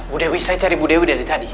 bu dewi saya cari bu dewi dari tadi